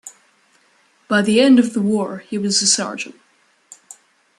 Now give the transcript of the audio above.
By the end of the war, he was a Sergeant.